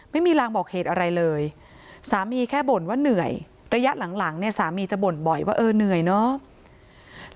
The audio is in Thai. ไม่มีรางบอกเหตุอะไรเลยสามีแค่บ่นว่าเหนื่อยระยะหลังเนี่ยสามีจะบ่นบ่อยว่าเออเหนื่อยเนาะ